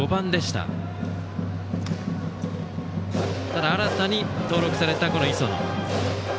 ただ新たに登録された磯野。